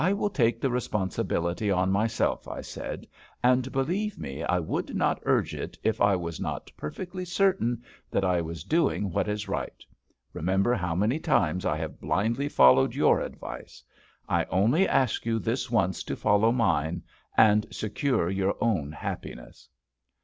"I will take the responsibility on myself," I said; "and believe me, I would not urge it if I was not perfectly certain that I was doing what is right. Remember how many times I have blindly followed your advice. I only ask you this once to follow mine, and secure your own happiness."